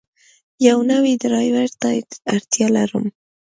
یو نوی ډرایور ته اړتیا لرم.